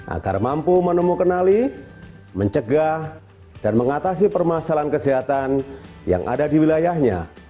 agar mampu menemukani mencegah dan mengatasi permasalahan kesehatan yang ada di wilayahnya